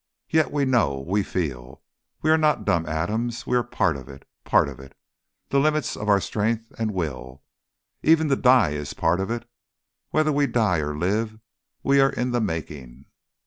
Yet we know we feel. We are not dumb atoms, we are part of it part of it to the limits of our strength and will. Even to die is part of it. Whether we die or live, we are in the making....